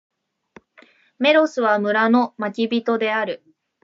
メロスは、村の牧人である。